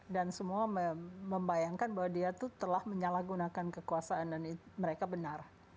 dan semua membayangkan bahwa dia tuh telah menyalahgunakan kekuasaan dan mereka benar